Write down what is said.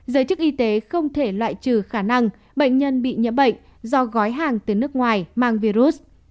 giới chức y tế không thể loại trừ khả năng bệnh nhân bị nhiễm bệnh do gói hàng từ nước ngoài mang virus